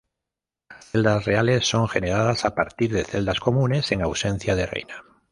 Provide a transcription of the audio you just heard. Las celdas reales son generadas a partir de celdas comunes, en ausencia de reina.